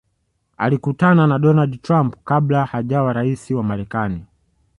alikutana na donald trump kabla hajawa raisi wa marekani